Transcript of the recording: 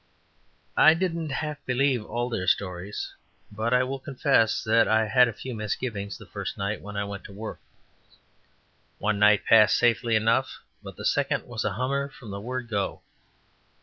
I didn't half believe all their stories, but I will confess that I had a few misgivings the first night when I went to work. One night passed safely enough, but the second was a hummer from the word go.